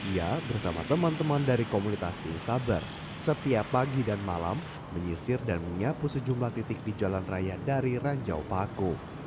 ia bersama teman teman dari komunitas tim saber setiap pagi dan malam menyisir dan menyapu sejumlah titik di jalan raya dari ranjau paku